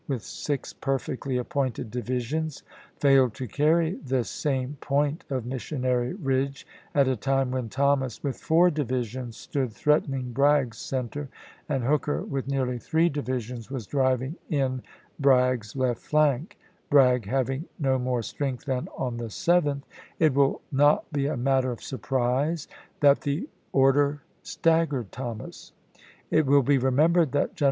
with six perfectly appointed divisions failed to carry this same point of Missionary Eidge at a time when Thomas with four divisions stood threatening Bragg's center, and Hooker with nearly three divi sions was driving in Bragg's left flank (Bragg having no more strength than on the 7th), it will "Battles not be a matter of surprise that the order stag Leaders." gered Thomas." It will be remembered that Gen p/715."